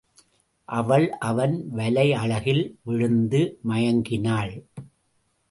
அவள் அவன் வலை அழகில் விழுந்து மயங்கினாள்.